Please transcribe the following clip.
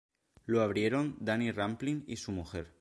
Lo abrieron Danny Rampling y su mujer.